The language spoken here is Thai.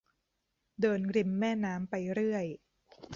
เดินริมแม่น้ำไปเรื่อย